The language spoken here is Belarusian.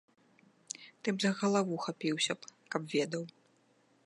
Ты б за галаву хапіўся б, каб ведаў.